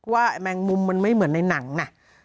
แมงมุมมันไม่เหมือนในหนังนะ